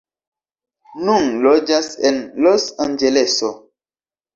Nun loĝas en Los-Anĝeleso.